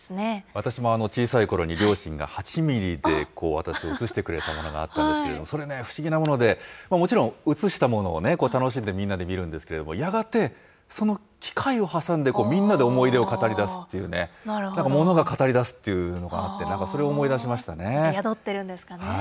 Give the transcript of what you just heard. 私も小さいころに、両親が８ミリで私を映してくれたものがあったんですけれども、それね、不思議なもので、もちろん映したものをね、楽しんでみんなで見るんですけれども、やがてその機械を挟んで、みんなで思い出を語りだすっていうね、なんかものが語りだすというのがあって、なんかそれを思い出しま宿ってるんですかね。